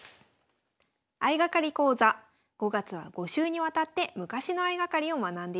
相掛かり講座５月は５週にわたって昔の相掛かりを学んでいきます。